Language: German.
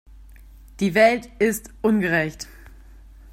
Die Welt ist ungerecht.